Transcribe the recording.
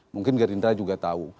mungkin gerinda juga tahu